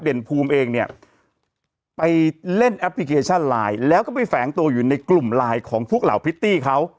ภูมิเองเนี่ยไปเล่นแอปพลิเคชันไลน์แล้วก็ไปแฝงตัวอยู่ในกลุ่มไลน์ของพวกเหล่าพริตตี้เขา